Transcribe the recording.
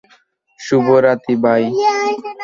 শুভরাত্রি, ভাই।